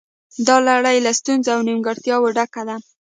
دا لړۍ له ستونزو او نیمګړتیاوو ډکه ده